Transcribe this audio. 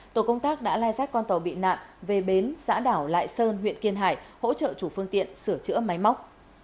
tổ công tác đã lai rác con tàu bị nạn về bến xã đảo lại sơn huyện kiên hải hỗ trợ chủ phương tiện sửa chữa máy móc